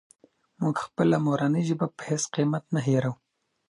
موږ خپله مورنۍ ژبه په هېڅ قیمت نه هېروو.